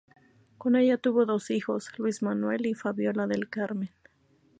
Con ella tuvo dos hijos: Luis Manuel y Fabiola del Carmen.